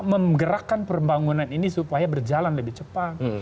menggerakkan pembangunan ini supaya berjalan lebih cepat